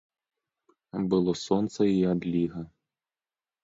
Было сонца і адліга.